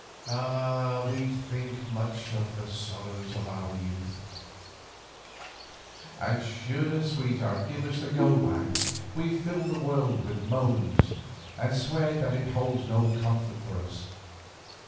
Ah! we think much of the sorrows of our youth, and should a sweetheart give us the go by we fill the world with moans and swear that it holds no comfort for us.